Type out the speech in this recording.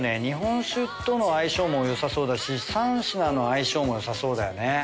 日本酒との相性もよさそうだし３品の相性もよさそうだよね。